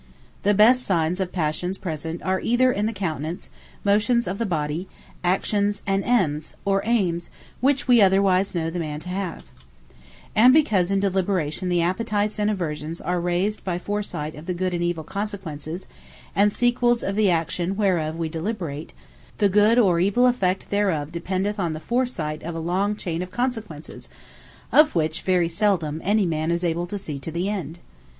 The best signes of Passions present, are either in the countenance, motions of the body, actions, and ends, or aims, which we otherwise know the man to have. Good And Evill Apparent And because in Deliberation the Appetites and Aversions are raised by foresight of the good and evill consequences, and sequels of the action whereof we Deliberate; the good or evill effect thereof dependeth on the foresight of a long chain of consequences, of which very seldome any man is able to see to the end.